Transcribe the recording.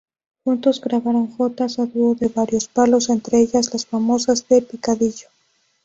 Juntos grabaron jotas a dúo de varios palos, entre ellas las famosas de picadillo.